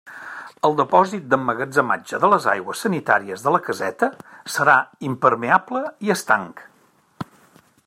El depòsit d'emmagatzematge de les aigües sanitàries de la caseta, serà impermeable i estanc.